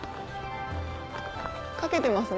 かけてますね